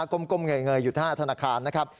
ก้มเงยอยู่หน้าธนาคารนะครับ